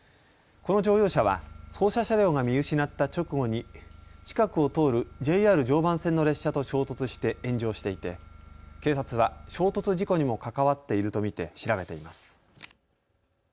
この乗用車は捜査車両が見失った直後に近くを通るＪＲ常磐線の列車と衝突して炎上していて警察は衝突事故にも関わっていると見て調べています。